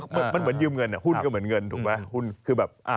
มันเหมือนยืมเงินหุ้นก็เหมือนเงินถูกไหม